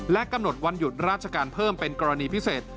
กำหนดวันหยุดราชการเพิ่มเป็นกรณีพิเศษ